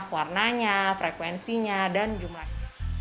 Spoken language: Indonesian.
warnanya frekuensinya dan jumlahnya